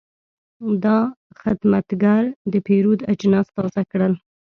دا خدمتګر د پیرود اجناس تازه کړل.